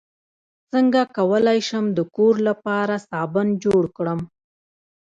څنګه کولی شم د کور لپاره صابن جوړ کړم